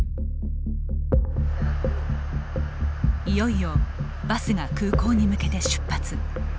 いよいよバスが空港に向けて出発。